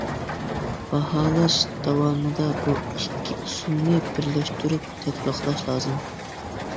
باھالاش داۋامىدا بۇ ئىككى ئۇسۇلنى بىرلەشتۈرۈپ تەتبىقلاش لازىم.